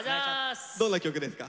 どんな曲ですか？